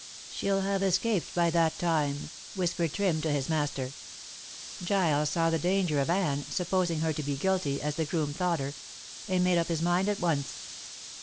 "She'll have escaped by that time," whispered Trim to his master. Giles saw the danger of Anne supposing her to be guilty, as the groom thought her and made up his mind at once.